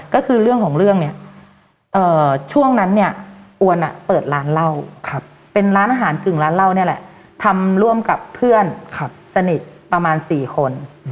ก็คือเรื่องของเรื่องเนี่ยช่วงนั้นเนี่ยอวนเปิดร้านเหล้าเป็นร้านอาหารกึ่งร้านเหล้านี่แหละทำร่วมกับเพื่อนสนิทประมาณ๔คน